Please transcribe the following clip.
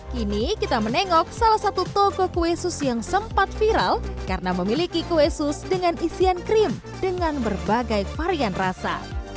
kini kita menengok salah satu toko kue sus yang sempat viral karena memiliki kue sus dengan isian krim dengan berbagai varian rasa